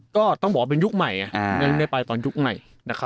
ก็ต้องบอกว่าเป็นยุคใหม่ยังได้ไปตอนยุคใหม่